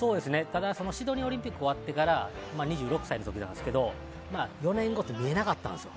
ただシドニーオリンピック終わってから２６歳の時ですが４年後って見えなかったんです。